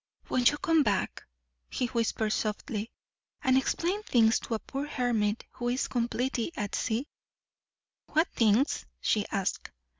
"Won't you come back," he whispered softly, "and explain things to a poor hermit who is completely at sea?" "What things?" she asked.